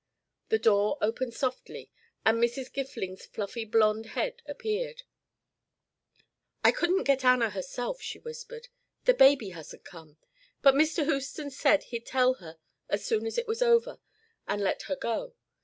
The door opened softly and Mrs. Gifning's fluffy blonde head appeared. "I couldn't get Anna herself," she whispered. "The baby hasn't come. But Mr. Houston said he'd tell her as soon as it was over, and let her go.